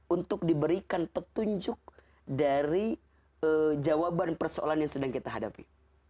untuk diberikan petunjuk dari jawaban persoalan yang sedang kita hadapi